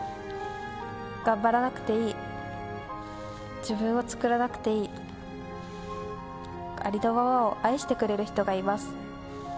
頑張らなくていい、自分を作らなくていい、ありのままを愛してくれる人がいます。